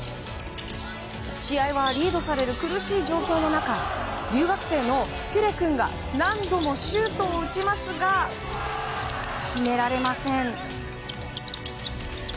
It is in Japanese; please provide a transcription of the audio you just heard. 試合はリードされる苦しい状況の中留学生のトゥレ君が何度もシュートを打ちますが決められません。